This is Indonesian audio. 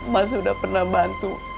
mak sudah pernah bantu